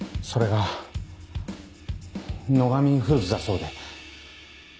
それが野上フーズだそうで。